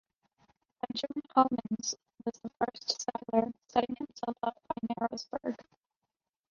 Benjamin Homans was the first settler, setting himself up by Narrowsburg.